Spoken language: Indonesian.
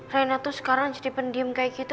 rena tuh sekarang jadi pendiem kayak gitu